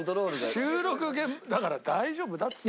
収録だから大丈夫だっつって。